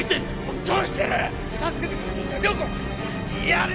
やれ！